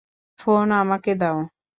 Phone আমাকে দাও?